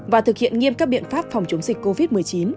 và thực hiện nghiêm các biện pháp phòng chống dịch covid một mươi chín